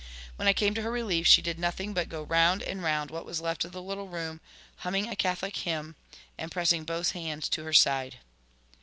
When I came to her relief, she did nothing but go round and round what was left of the little room, humming a Catholic hymn, and pressing both hands to her side.